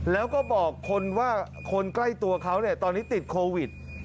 แล้วก็บอกคนว่าคนใกล้ตัวเขาตอนนี้ติดโควิด